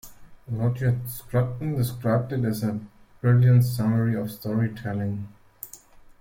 Roger Scruton described it as a "brilliant summary of story-telling".